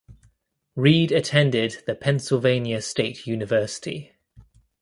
Reid attended the Pennsylvania State University.